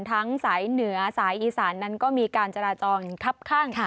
สายเหนือสายอีสานนั้นก็มีการจราจรคับข้าง